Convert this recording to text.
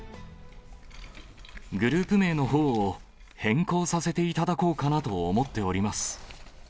グループ名のほうを変更させていただこうかなと思っております。